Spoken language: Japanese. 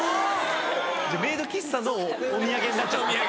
メイド喫茶のお土産になっちゃった。